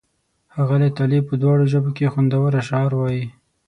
ښاغلی طالب په دواړو ژبو کې خوندور اشعار وایي.